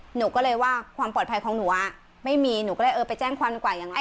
หนูก็เลยว่าความปลอดภัยของหนูอ่ะไม่มีหนูก็เลยเออไปแจ้งความกว่ายังไง